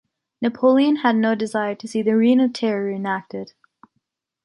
Napoleon had no desire to see the Reign of Terror reenacted.